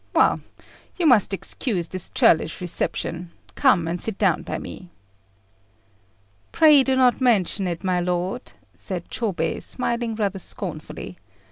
Well, you must excuse this churlish reception: come and sit down by me." "Pray do not mention it, my lord," said Chôbei, smiling rather scornfully.